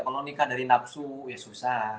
kalau nikah dari nafsu ya susah